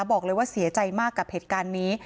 บอกเลยว่าเสียใจมากกับเหตุการณ์นี้